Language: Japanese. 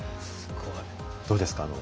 どうですか？